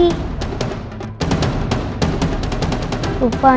tapi kenapa dia tidak bergerak lagi